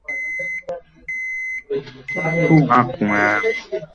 হৃষ্টচিত্তে কুটীরের মধ্যে প্রবেশ করিয়া একবার চারিদিকে নিরীক্ষণ করিল।